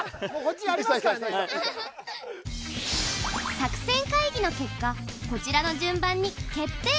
作戦会議の結果こちらの順番に決定。